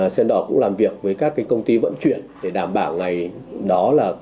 sendo cũng làm việc với các công ty vận chuyển để đảm bảo ngày đó